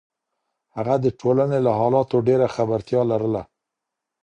هغه د ټولنې له حالاتو ډیره خبرتیا لرله.